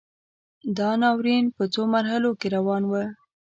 دا ناورین په څو مرحلو کې روان و.